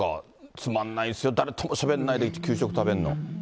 つまんないですよ、誰ともしゃべんないで給食食べるの。